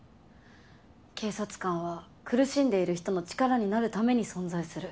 警察官は苦しんでいる人の力になる為に存在する。